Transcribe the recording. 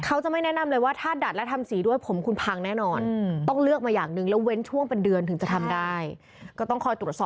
เขาจะไม่แนะนำเลยว่าถ้าดัดแล้วทำสีด้วยผมคุณพังแน่นอน